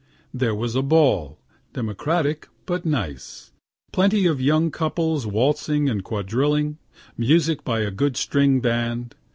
There was a ball, democratic but nice; plenty of young couples waltzing and quadrilling music by a good string band.